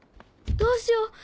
どうしよう！